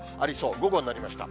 午後になりました。